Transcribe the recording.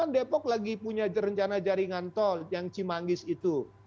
depok lagi punya rencana jaringan tol yang cimanggis itu